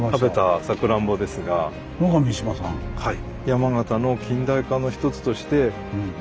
はい。